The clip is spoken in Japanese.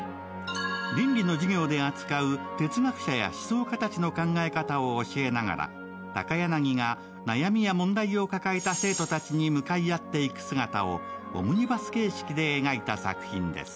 倫理の授業で扱う哲学者や思想家たちの考え方を教えながら高柳が悩みや問題を抱えた生徒たちに向かい合っていく姿をオムニバス形式で描いた作品です。